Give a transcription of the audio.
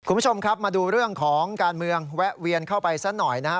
คุณผู้ชมครับมาดูเรื่องของการเมืองแวะเวียนเข้าไปซะหน่อยนะฮะ